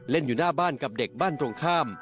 อยู่หน้าบ้านกับเด็กบ้านตรงข้าม